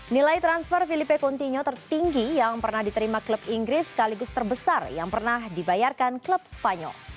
nilai transfer filipe continuo tertinggi yang pernah diterima klub inggris sekaligus terbesar yang pernah dibayarkan klub spanyol